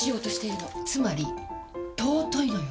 つまり尊いのよ！